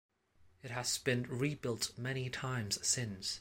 It has been rebuilt many times since.